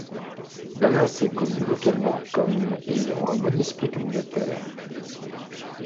Dallas est connu localement comme ayant un bon esprit communautaire.